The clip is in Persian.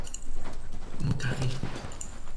متقی